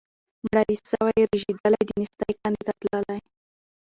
مړاوي سوي رژېدلي د نېستۍ کندي ته تللي